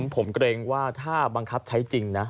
ผมเกรงว่าถ้าบังคับใช้จริงนะ